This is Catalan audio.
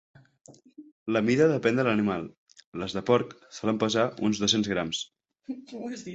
La mida depén de l'animal, les de porc solen pesar uns dos-cents grams.